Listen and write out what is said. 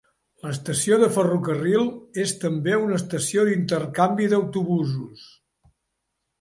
L'estació de ferrocarril és també una estació d'intercanvi d'autobusos.